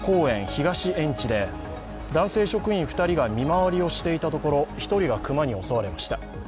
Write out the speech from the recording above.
東園地で男性職員２人が見回りをしていたところ１人が熊に襲われました。